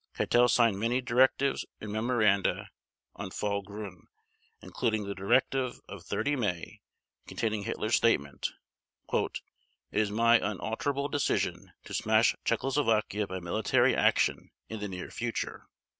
Keitel signed many directives and memoranda on "Fall Gruen", including the directive of 30 May containing Hitler's statement: "It is my unalterable decision to smash Czechoslovakia by military action in the near future."